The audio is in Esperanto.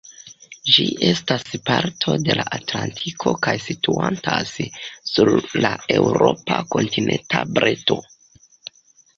Ĝi estas parto de la Atlantiko kaj situantas sur la eŭropa kontinenta breto.